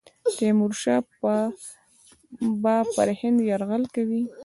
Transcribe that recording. تیمورشاه به پر هند یرغل کوي.